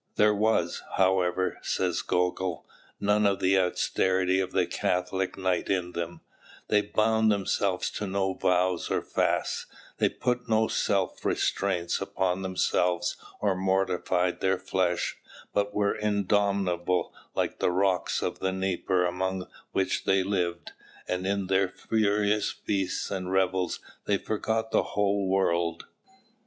"There was, however," says Gogol, "none of the austerity of the Catholic knight in them; they bound themselves to no vows or fasts; they put no self restraint upon themselves or mortified their flesh, but were indomitable like the rocks of the Dnieper among which they lived, and in their furious feasts and revels they forgot the whole world.